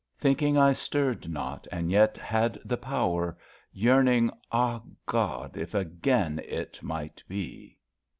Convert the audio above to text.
Thinking I stirred not and yet had the power. Yearning — ah> God, if again it might be!